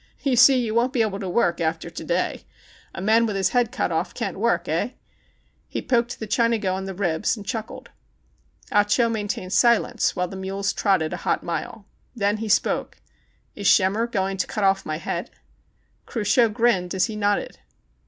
"You see, you won't be able to work after to day. A man with 172 THE CHINAGO his head off can't work, eh?" He poked the Chinago in the ribs, and chuckled. Ah Cho maintained silence while the mules trotted a hot mile. Then he spoke: "Is Schemmer going to cut off mv head V Cruchot grinned as he nodded.